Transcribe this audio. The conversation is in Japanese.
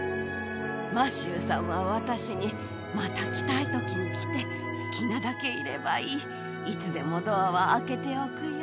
マシューさんは私に、また来たいときに来て、好きなだけいればいい、いつでもドアは開けておくよ。